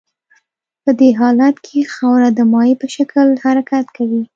په دې حالت کې خاوره د مایع په شکل حرکت کوي